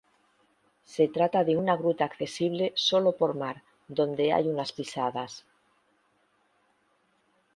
Se trata de una gruta accesible sólo por mar donde hay unas pisadas.